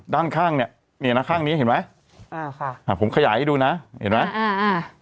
ด้านข้างเนี่ยนี่นะข้างนี้เห็นไหมอ่าค่ะอ่าผมขยายให้ดูนะเห็นไหมอ่าอ่า